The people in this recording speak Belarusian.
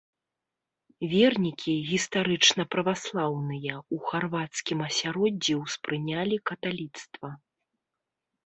Вернікі, гістарычна праваслаўныя, у харвацкім асяроддзі ўспрынялі каталіцтва.